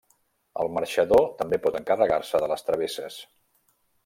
El marxador també pot encarregar-se de les travesses.